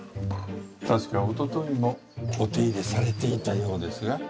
確かおとといもお手入れされていたようですが。